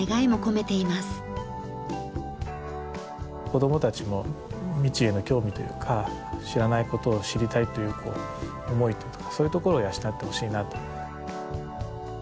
子どもたちも未知への興味というか知らない事を知りたいという思いとかそういうところを養ってほしいなと。